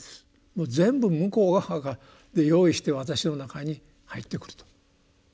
もう全部向こう側が用意して私の中に入ってくると。